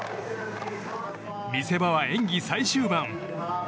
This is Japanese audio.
見せ場は演技最終盤。